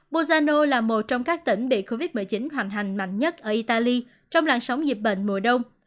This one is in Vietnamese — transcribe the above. busano là một trong các tỉnh bị covid một mươi chín hoành hành mạnh nhất ở italy trong làn sóng dịch bệnh mùa đông